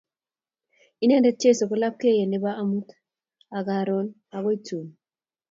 Inendet Jeso ko lapkeyenyo nebo amut, karon akoi tun